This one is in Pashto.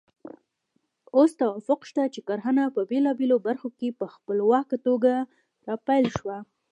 اوس توافق شته چې کرنه په بېلابېلو برخو کې په خپلواکه توګه راپیل شوه.